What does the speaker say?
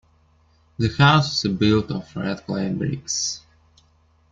The houses are built of red clay bricks.